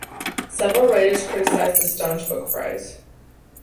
Several writers criticized the Staunch Book Prize.